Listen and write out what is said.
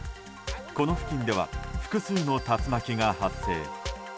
この付近では複数の竜巻が発生。